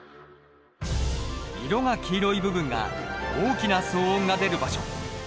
色が黄色い部分が大きな騒音が出る場所。